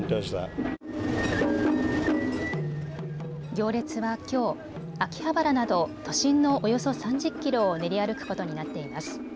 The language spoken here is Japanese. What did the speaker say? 行列はきょう秋葉原など都心のおよそ３０キロを練り歩くことになっています。